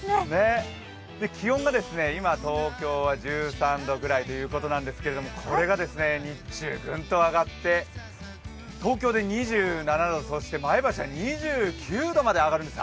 気温が今、東京は１３度ぐらいということなんですけれどもこれが日中グンと上がって、東京で２７度、そして前橋は２９度まで上がるんです。